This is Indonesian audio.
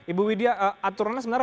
ibu widya aturannya sebenarnya